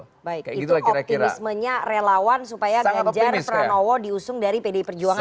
oke baik itu optimismenya relawan supaya ganjar pranowo diusung dari pdi perjuangan